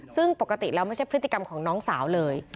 ซึ่งปกติแล้วไม่ใช่พฤติกรรมของน้องสาวเลย